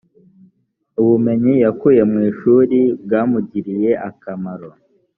ubumenyi yakuye mwishurri bwamugiriye akamaro